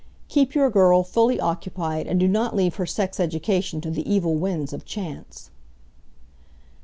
Keep your girl fully occupied and do not leave her sex education to the evil winds of chance.